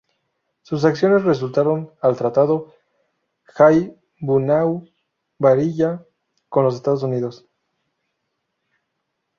Sus acciones resultaron al Tratado Hay-Bunau Varilla con los Estados Unidos.